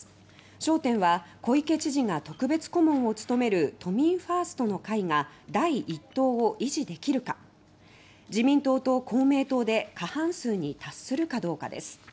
焦点は小池知事が特別顧問を務める都民ファーストの会が第１党を維持できるか自民党と公明党が過半数に達するかどうかです。